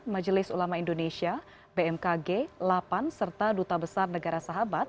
majelis ulama indonesia bmkg lapan serta duta besar negara sahabat